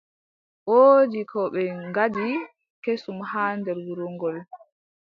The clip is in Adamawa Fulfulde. Woodi ko ɓe ngaddi kesum haa nder wuro ngol.